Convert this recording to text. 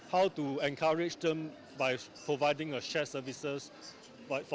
bagaimana cara memperkenalkan mereka dengan memberikan perkhidmatan berkumpul